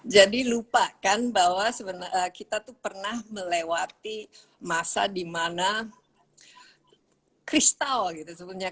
jadi lupakan bahwa kita tuh pernah melewati masa dimana kristal gitu sebetulnya